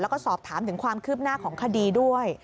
แล้วก็สอบถามถึงความคืบหน้าของคดีด้วย